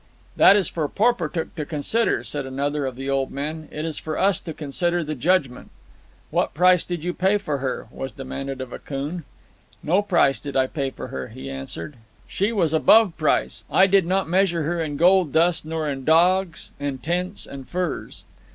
"That is for Porportuk to consider," said another of the old men. "It is for us to consider the judgment." "What price did you pay for her?" was demanded of Akoon. "No price did I pay for her," he answered. "She was above price. I did not measure her in gold dust, nor in dogs, and tents, and furs."